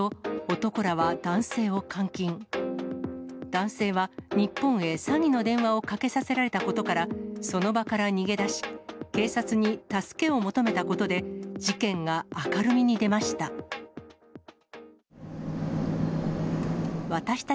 男性は日本へ詐欺の電話をかけさせられたことから、その場から逃げ出し、警察に助けを求めたことで、事件が明るみに出ました。